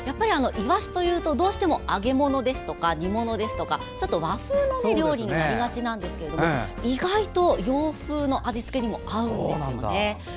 イワシと言うとどうしても揚げ物ですとか煮物ですとか和風の料理になりがちなんですが意外と洋風の味付けにも合うんですよね。